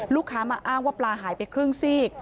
ลูกค้ามาอ้างว่าปลาหายไปครึ่งซีก